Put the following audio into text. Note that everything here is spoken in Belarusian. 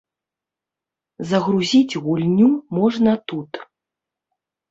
Загрузіць гульню можна тут.